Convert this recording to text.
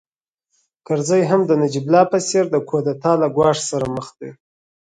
کرزی هم د نجیب الله په څېر د کودتا له ګواښ سره مخ دی